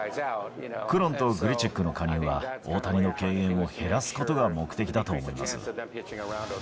クロンとグリチックの加入は、大谷の敬遠を減らすことが目的だと思います。